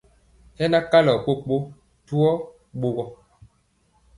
Hɛ na kalɔ kpokpo ɗuyɔ ɓogɔ.